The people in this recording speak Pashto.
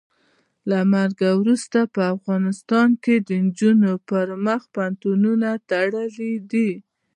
له مرګه وروسته په افغانستان کې د نجونو پر مخ پوهنتونونه تړلي دي.